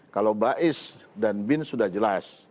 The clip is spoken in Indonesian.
kalau bin sudah jelas